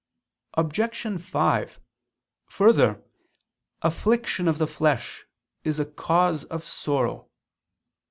Obj. 5: Further, affliction of the flesh is a cause of sorrow.